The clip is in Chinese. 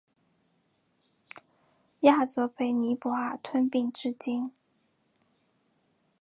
亚泽被尼泊尔吞并至今。